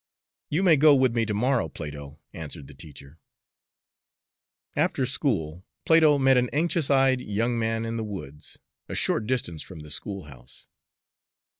"You may go with me to morrow, Plato," answered the teacher. After school Plato met an anxious eyed young man in the woods a short distance from the schoolhouse.